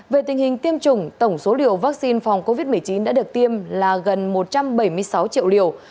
về tình hình tiêm chủng tổng số liều vaccine phòng covid một mươi chín đã được tiêm là gần một trăm bảy mươi sáu triệu liều